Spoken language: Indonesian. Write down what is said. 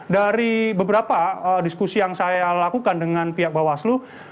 dari beberapa diskusi yang saya lakukan dengan pihak bawaslu